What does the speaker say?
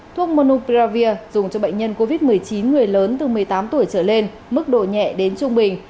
thuốc monopravir dùng cho bệnh nhân covid một mươi chín người lớn từ một mươi tám tuổi trở lên mức độ nhẹ đến trung bình